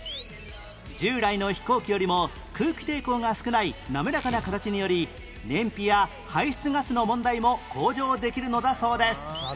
従来の飛行機よりも空気抵抗が少ない滑らかな形により燃費や排出ガスの問題も向上できるのだそうです